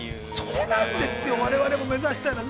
◆それなんですよ、我々も目指したいのは。